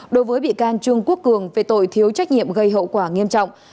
đối với bị can trương quốc cường về tội thiếu trách nhiệm gây hậu quả nghiêm trọng